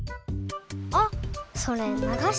あっそれながし